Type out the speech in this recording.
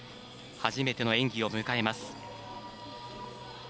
初めての演技を迎えます。